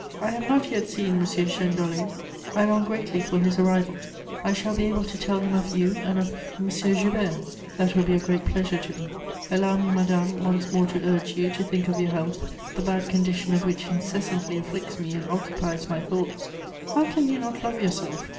"I have not yet seen M. Chênedollé; I long greatly for his arrival. I shall be able to tell him of you and of M. Joubert: that will be a great pleasure to me. Allow me, madame, once more to urge you to think of your health, the bad condition of which incessantly afflicts me and occupies my thoughts. How can you not love yourself?